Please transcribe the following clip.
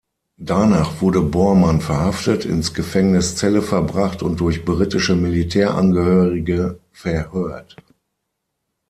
Danach wurde Bormann verhaftet, ins Gefängnis Celle verbracht und durch britische Militärangehörige verhört.